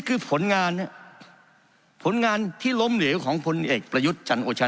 คือผลงานผลงานที่ล้มเหลวของพลเอกประยุทธ์จันโอชา